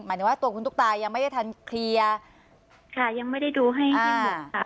หมายถึงว่าตัวคุณตุ๊กตายังไม่ได้ทันเคลียร์ค่ะยังไม่ได้ดูให้สิ้นสุดค่ะ